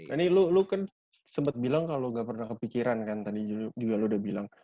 ini lu kan sempet bilang kalo gak pernah kepikiran kan tadi juga lu udah bilang